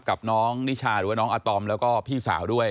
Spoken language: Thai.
กับน้องนิชาหรือว่าน้องอาตอมแล้วก็พี่สาวด้วย